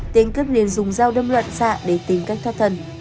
tên cướp nên dùng dao đâm loạn xạ để tìm cách thoát thân